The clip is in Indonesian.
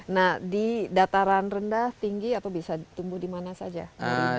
nah di dataran rendah tinggi atau bisa tumbuh di mana saja